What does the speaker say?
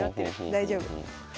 大丈夫。